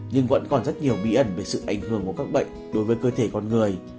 nhưng vẫn còn rất nhiều bí ẩn về sự ảnh hưởng của các bệnh đối với cơ thể con người